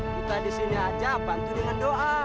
kita disini aja bantu dengan doa